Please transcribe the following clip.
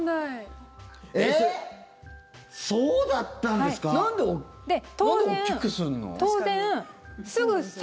そうだったんですか？